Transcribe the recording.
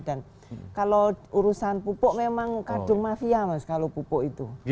dan kalau urusan pupuk memang kardemafia mas kalau pupuk itu